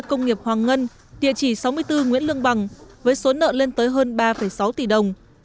công nghiệp hoàng ngân địa chỉ sáu mươi bốn nguyễn lương bằng với số nợ lên tới hơn ba sáu tỷ đồng